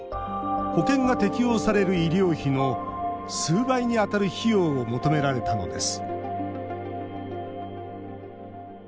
保険が適用される医療費の数倍に当たる費用を求められたのです